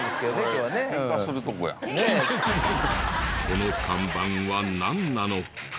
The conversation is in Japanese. この看板はなんなのか？